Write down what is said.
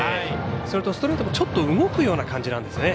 それとストレートもちょっと動くような感じ。